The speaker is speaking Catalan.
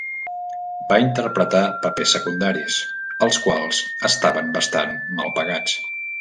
Va interpretar papers secundaris, els quals estaven bastant mal pagats.